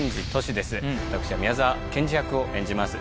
私は宮沢賢治役を演じます。